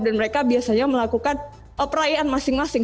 mereka biasanya melakukan perayaan masing masing